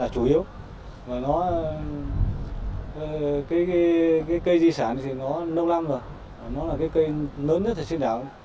cây di sản thì nó năm năm rồi nó là cây lớn nhất trên đảo